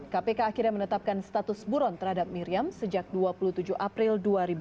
kpk akhirnya menetapkan status buron terhadap miriam sejak dua puluh tujuh april dua ribu dua puluh